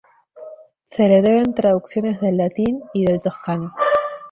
Se le deben traducciones del latín y del toscano.